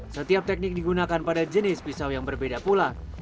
setiap teknik digunakan pada jenis pisau yang berbeda pula